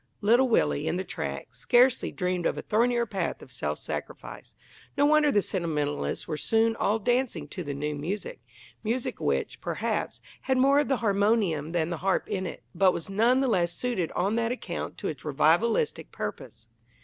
Little Willie, in the tracts, scarcely dreamed of a thornier path of self sacrifice. No wonder the sentimentalists were soon all dancing to the new music music which, perhaps, had more of the harmonium than the harp in it, but was none the less suited on that account to its revivalistic purpose.